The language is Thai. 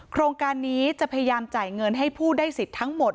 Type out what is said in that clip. โครงการนี้จะพยายามจ่ายเงินให้ผู้ได้สิทธิ์ทั้งหมด